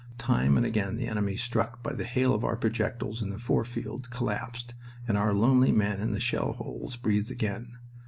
Time and again the enemy, struck by the hail of our projectiles in the fore field, collapsed, and our lonely men in the shell holes breathed again.